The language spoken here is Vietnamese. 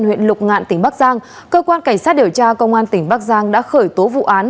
huyện lục ngạn tỉnh bắc giang cơ quan cảnh sát điều tra công an tỉnh bắc giang đã khởi tố vụ án